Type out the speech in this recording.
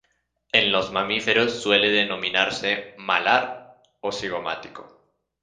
En los mamíferos suele denominarse malar o cigomático.